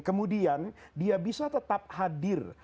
kemudian dia bisa tetap hadir